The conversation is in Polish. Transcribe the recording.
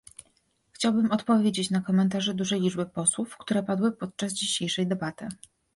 Chciałbym odpowiedzieć na komentarze dużej liczby posłów, które padły podczas dzisiejszej debaty